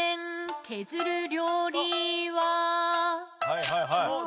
はいはいはい。